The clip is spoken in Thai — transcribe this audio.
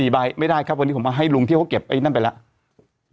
๔ใบไม่ได้ครับวันนี้ผมมาให้ลุงที่เขาเก็บไอ้นั่นไปแล้ว